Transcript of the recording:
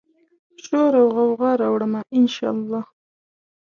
شوراوغوغا راوړمه، ان شا الله